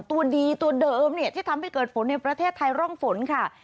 ตัวดีตัวเดิมเนี่ยที่ทำให้เกิดฝนในประเทศไทยร่องฝนค่ะ